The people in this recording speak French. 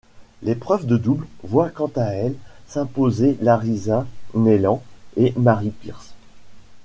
L'épreuve de double voit quant à elle s'imposer Larisa Neiland et Mary Pierce.